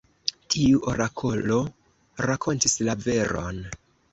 Tiu orakolo rakontis la veron.